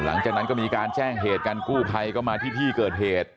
หลังจากนั้นก็มีการแจ้งเหตุกันกู้ภัยก็มาที่ที่เกิดเหตุ